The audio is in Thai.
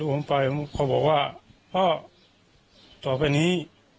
พอบอกว่าพ่อต่อไปนี้